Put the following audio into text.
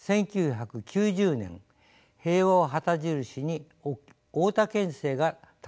１９９０年「平和」を旗印に大田県政が誕生しました。